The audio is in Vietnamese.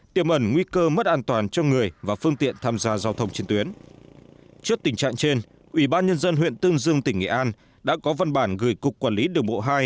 trước tình trạng trên ủy ban nhân dân huyện tương dương tỉnh nghệ an đã có văn bản gửi cục quản lý đường bộ hai